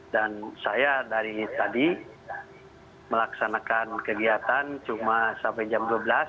dan saya dari tadi melaksanakan kegiatan cuma sampai jam dua belas